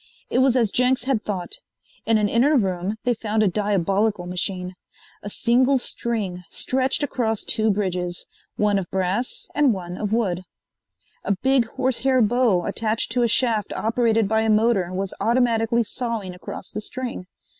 It was as Jenks had thought. In an inner room they found a diabolical machine a single string stretched across two bridges, one of brass and one of wood. A big horsehair bow attached to a shaft operated by a motor was automatically sawing across the string.